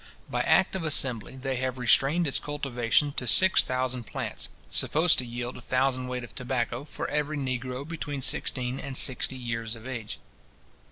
By act of assembly, they have restrained its cultivation to six thousand plants, supposed to yield a thousand weight of tobacco, for every negro between sixteen and sixty years of age.